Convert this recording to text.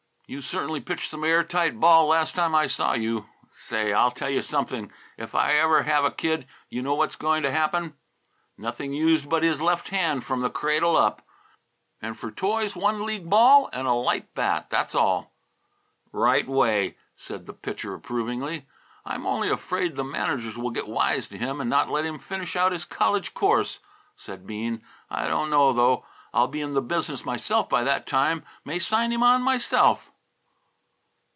"You certainly pitched some air tight ball last time I saw you. Say, I'll tell you something. If I ever have a kid, you know what's going to happen? Nothing used but his left hand from the cradle up; and, for toys one league ball and a light bat. That's all." "Right way," said the Pitcher approvingly. "I'm only afraid the managers will get wise to him and not let him finish out his college course," said Bean. "I don't know, though. I'll be in the business myself by that time; may sign him on myself."